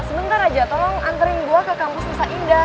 sebentar aja tolong anterin gue ke kampus nusa indah